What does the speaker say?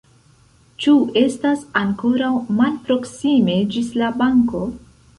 Ĉu estas ankoraŭ malproksime ĝis la banko?